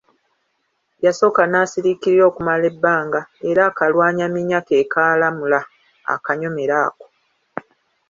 Yasooka n'asiriikirira okumala ebbanga, era akalwanyaminya ke kaalamula akanyomero ako.